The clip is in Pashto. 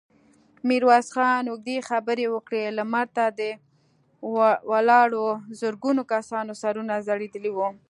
ميرويس خان اوږدې خبرې وکړې، لمر ته د ولاړو زرګونو کسانو سرونه ځړېدلي وو.